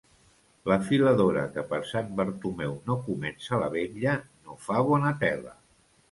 La filadora que per Sant Bartomeu no comença la vetlla no fa bona tela.